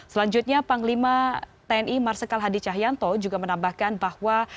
selanjutnya panglima tni marsikal hadi cahyanto juga menambahkan bahwa